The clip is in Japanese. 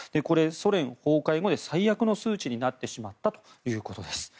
ソ連崩壊後で最悪の数値になってしまったということです。